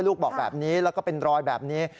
ลูกบอกแบบนี้แล้วก็เป็นรอยแบบนี้